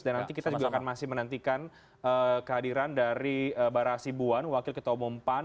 dan nanti kita juga akan masih menantikan kehadiran dari barah sibuan wakil ketua umum pan